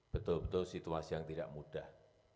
betul betul situasi yang tidak mudah